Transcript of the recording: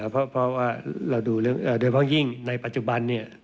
เพราะว่าเราดูเรื่องโดยเฉพาะยิ่งในปัจจุบัน